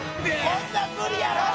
こんなん無理やろ！